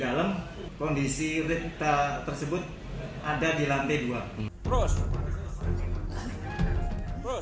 dalam kondisi tersebut ada di lantai dua